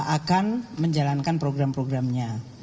akan menjalankan program programnya